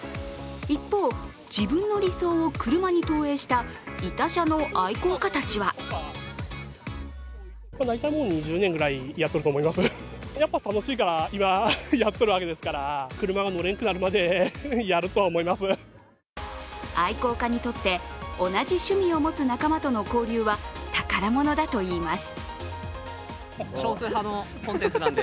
一方、自分の理想を車に投影した痛車の愛好家たちは愛好家にとって同じ趣味を持つ仲間との交流は宝物だといいます。